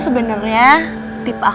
kamu mau jadi pacar